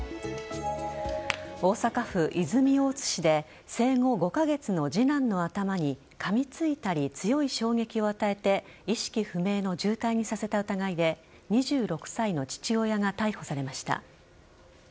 大阪府泉大津市で生後５カ月の次男の頭に噛みついたり、強い衝撃を与えて意識不明の重体にさせた疑いで２６歳の父親が逮捕されました。